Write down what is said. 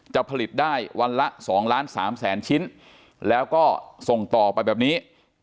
จะผลิตได้วันละ๒ล้าน๓แสนชิ้นแล้วก็ส่งต่อไปแบบนี้